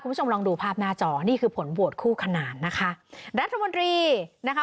คุณผู้ชมลองดูภาพหน้าจอนี่คือผลโหวตคู่ขนาดนะคะรัฐมนตรีนะคะ